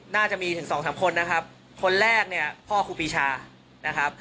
น่าจะมีถึงสองสามคนนะครับคนแรกเนี่ยพ่อครูปีชานะครับ